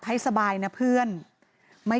ปี๖๕วันเช่นเดียวกัน